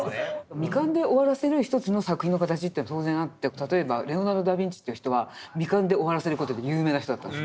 未完で終わらせる一つの作品の形というのは当然あって例えばレオナルド・ダビンチという人は未完で終わらせる事で有名な人だったんです。